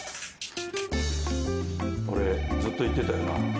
☎俺ずっと言ってたよな。